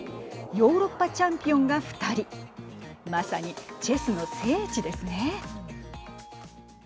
ヨーロッパチャンピオンが２人まさにチェスの聖地ですね。